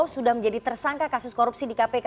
sudah menjadi tersangka kasus korupsi di kpk